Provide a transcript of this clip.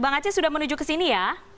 bang aceh sudah menuju ke sini ya